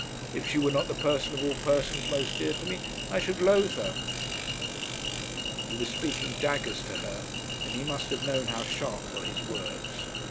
If she were not the person of all persons most dear to me, I should loathe her.' He was speaking daggers to her, and he must have known how sharp were his words.